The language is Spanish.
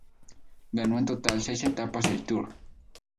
Ganó en total seis etapas del Tour.